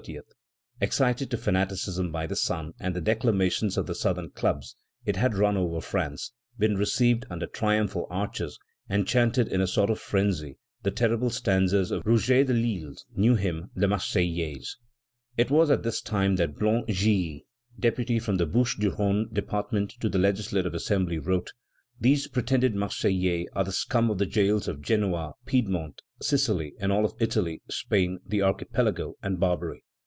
Excited to fanaticism by the sun and the declamations of the southern clubs, it had run over France, been received under triumphal arches, and chanted in a sort of frenzy the terrible stanzas of Rouget de l'Isle's new hymn, the Marseillaise. It was at this time that Blanc Gilli, deputy from the Bouches du Rhone department to the Legislative Assembly, wrote: "These pretended Marseillais are the scum of the jails of Genoa, Piedmont, Sicily, and of all Italy, Spain, the Archipelago, and Barbary.